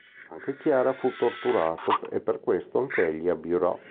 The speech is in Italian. Anche Chiara fu torturato e per questo anch'egli abiurò.